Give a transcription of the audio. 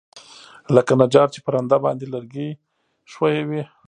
لکه نجار چې په رنده باندى لرګى ښويوي.